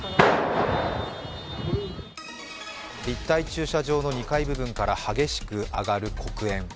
立体駐車場の２階部分から激しく上がる黒煙。